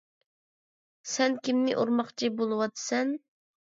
سەن كىمنى ئۇرماقچى بولۇۋاتىسەن؟